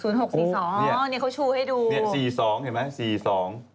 นี่๔๒เห็นไหม๔๒